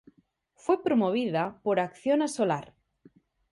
Fue promovida por Acciona Solar.